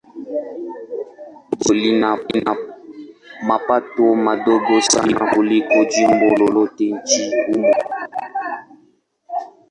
Jimbo lina mapato madogo sana kuliko jimbo lolote nchini humo.